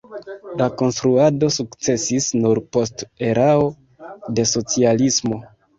La konstruado sukcesis nur post erao de socialismo.